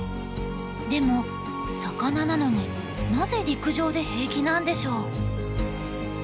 でも魚なのになぜ陸上で平気なんでしょう？